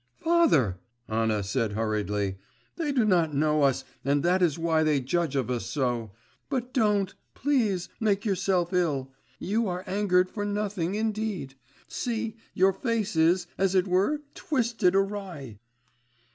'Father,' Anna said hurriedly, 'they do not know us, and that is why they judge of us so. But don't, please, make yourself ill. You are angered for nothing, indeed; see, your face is, as it were, twisted awry.